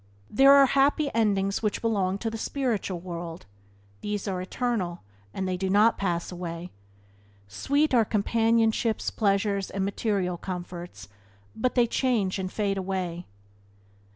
These are happy endings which belong to the spiritual world; these are eternal, and they do not pass away. Sweet are companionships, pleasures, and material comforts, but they change and fade away.